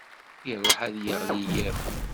Iṛuḥ ad yeɣli yiḍ.